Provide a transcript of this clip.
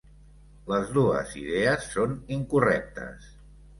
Les dues idees són incorrectes.